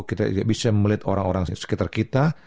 kita tidak bisa melihat orang orang sekitar kita